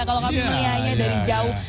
kalau kami menilainya dari jauh